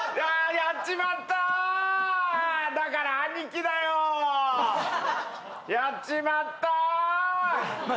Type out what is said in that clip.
やっちまっただから兄貴だよやっちまったまあ